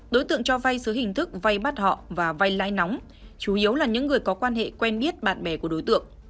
đối tượng cho vay dưới hình thức vay bắt họ và vay lai nóng chủ yếu là những người có quan hệ quen biết bạn bè của đối tượng